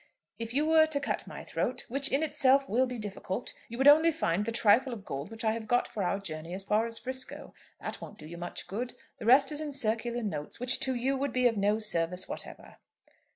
"If you were to cut my throat, which in itself will be difficult, you would only find the trifle of gold which I have got for our journey as far as 'Frisco. That won't do you much good. The rest is in circular notes, which to you would be of no service whatever."